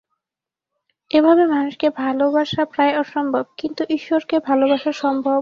এভাবে মানুষকে ভালবাসা প্রায় অসম্ভব, কিন্তু ঈশ্বরকে ভালবাসা সম্ভব।